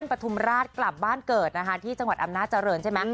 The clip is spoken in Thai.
ปฐุมราชกลับบ้านเกิดที่จังหวัดอำนาจรรย์ใช่มั้ย